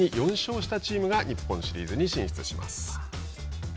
先に４勝したチームが日本シリーズに進出します。